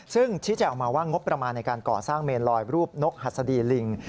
ซึ่งชี้แจงออกมาว่างบประมาณในการก่อสร้างเมนลอยรูปนกหัสดีลิง